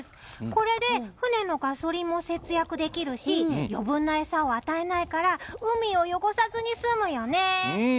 これで船のガソリンも節約できるし余分な餌を与えないから海を汚さずに済むよね。